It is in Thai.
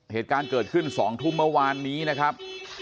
เหตุการณ์เกิดขึ้น๒ทุ่มเมื่อวานนี้นะครับ